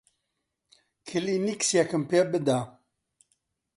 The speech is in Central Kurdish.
کلێنکسێکم پێ بدە.